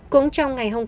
cũng trong ngày hôm nay